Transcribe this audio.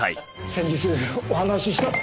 先日お話しした。